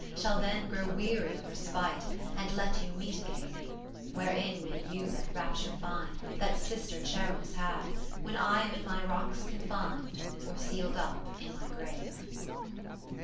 Shall then grow weary of her spite. And let you meet again. XII Wherein may you that rapture find, That sister Cherals ^ have. When I am in my rocks confin'd, Or seal'd up in my grave.